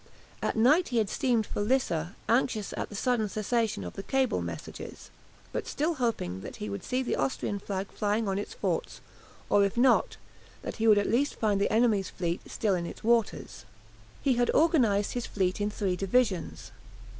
All night he had steamed for Lissa, anxious at the sudden cessation of the cable messages, but still hoping that he would see the Austrian flag flying on its forts, or if not, that he would at least find the enemy's fleet still in its waters. [Illustration: LISSA. BATTLE FORMATION OF THE AUSTRIAN FLEET] He had organized his fleet in three divisions.